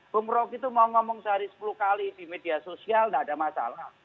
bung roky itu mau ngomong sehari sepuluh kali di media sosial tidak ada masalah